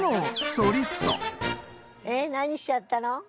え何しちゃったの？